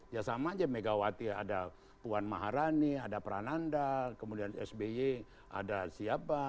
ya sama aja megawati ada puan maharani ada prananda kemudian sby ada siapa